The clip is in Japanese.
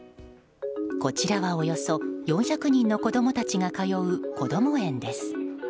こちらはおよそ４００人の子供たちが通うこども園です。